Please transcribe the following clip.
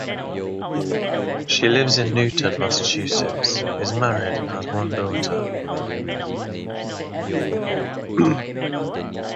She lives in Newton, Massachusetts, is married, and has one daughter.